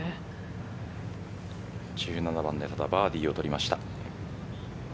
１７番でただバーディーを取りました。